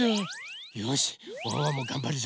よしワンワンもがんばるぞ。